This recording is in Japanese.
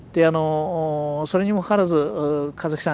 それにもかかわらず香月さん